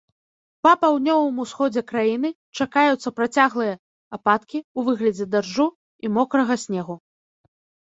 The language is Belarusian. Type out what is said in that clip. Па паўднёвым усходзе краіны чакаюцца працяглыя ападкі ў выглядзе дажджу і мокрага снегу.